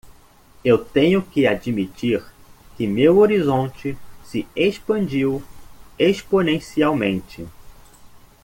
Eu tenho que admitir que meu horizonte se expandiu exponencialmente.